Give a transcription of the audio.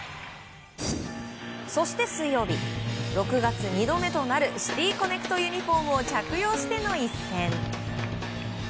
そして水曜日、６月２度目となるシティ・コネクトユニホームを着用しての一戦。